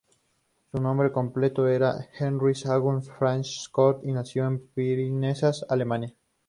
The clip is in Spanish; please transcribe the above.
Su nombre completo era Heinrich August Franz Schroth, y nació en Pirmasens, Alemania.